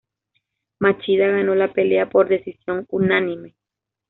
Machida ganó la pelea por decisión unánime.